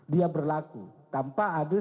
dia berlaku tanpa